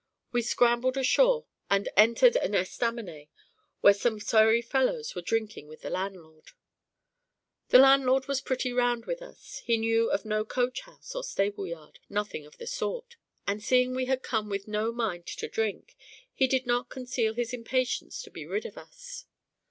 We scrambled ashore and entered an estaminet where some sorry fellows were drinking with the landlord. The landlord was pretty round with us; he knew of no coach house or stable yard, nothing of the sort; and seeing we had come with no mind to drink, he did not conceal his impatience to be rid of us.